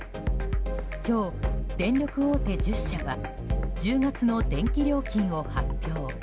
今日、電力大手１０社が１０月の電気料金を発表。